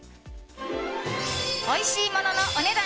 おいしいもののお値段